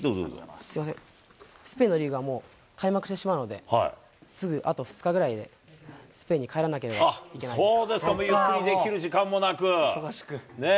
すみません、スペインのリーグがもう開幕してしまうので、すぐ、あと２日ぐらいでスペインに帰らなければいけないです。